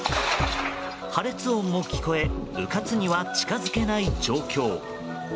破裂音も聞こえうかつには近づけない状況。